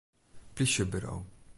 Plysjeburo.